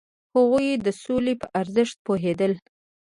هغوی د سولې په ارزښت پوهیدل.